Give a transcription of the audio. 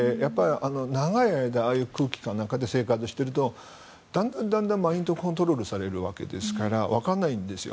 長い間ああいう空気感の中で生活をしているとだんだんマインドコントロールされるわけですからわからないんですよ。